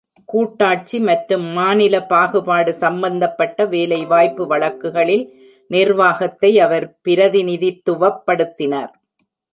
கூட்டாட்சி மற்றும் மாநில பாகுபாடு சம்பந்தப்பட்ட வேலைவாய்ப்பு வழக்குகளில் நிர்வாகத்தை அவர் பிரதிநிதித்துவப்படுத்தினார்.